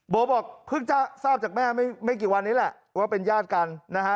บอกเพิ่งจะทราบจากแม่ไม่กี่วันนี้แหละว่าเป็นญาติกันนะฮะ